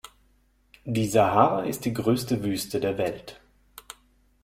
Die Sahara ist die größte Wüste der Welt.